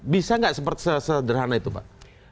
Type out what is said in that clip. bisa nggak seperti sederhana itu pak